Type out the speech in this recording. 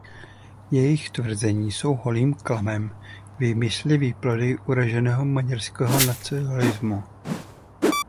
Jejich tvrzení jsou holým klamem, výmysly, výplody uraženého maďarského nacionalismu.